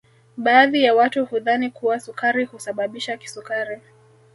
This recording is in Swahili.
Baadhi ya watu hudhani kuwa sukari husababisha kisukari